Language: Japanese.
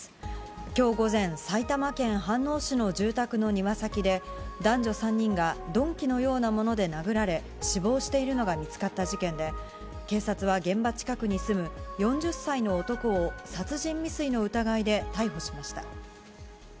きょう午前、埼玉県飯能市の住宅の庭先で、男女３人が鈍器のようなもので殴られ、死亡しているのが見つかった事件で、警察は、現場近くに住む４０歳の男を殺人未遂の疑いで逮捕しました。